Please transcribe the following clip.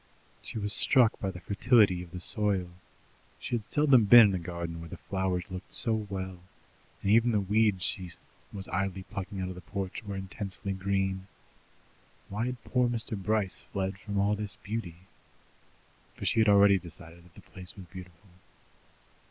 She was struck by the fertility of the soil; she had seldom been in a garden where the flowers looked so well, and even the weeds she was idly plucking out of the porch were intensely green. Why had poor Mr. Bryce fled from all this beauty? For she had already decided that the place was beautiful.